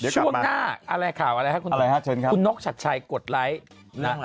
ช่วงหน้าอะไรข่าวอะไรครับคุณนกชัดชัยกดไลค์